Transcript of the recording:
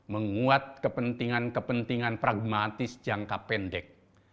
menguat kepentingan kepentingan pragmatis jangka pendek